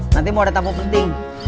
nanti mau ada tamu penting